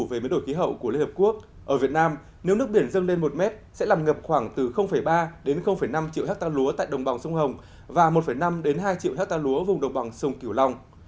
về biến đổi khí hậu của liên hợp quốc ở việt nam nếu nước biển dâng lên một mét sẽ làm ngập khoảng từ ba đến năm triệu hectare lúa tại đồng bằng sông hồng và một năm hai triệu hectare lúa vùng độc bằng sông kiều long